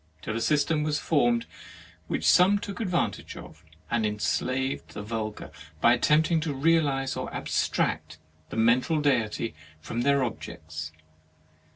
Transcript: Till a system was formed, which some took advantage of and enslaved the vulgar by attempting to realize or abstract the mental deities from their objects.